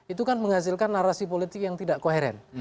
itu kan menghasilkan narasi politik yang tidak koheren